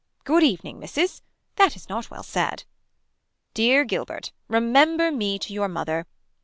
Good evening Mrs. That is not well said. Dear Gilbert. Remember me to your mother.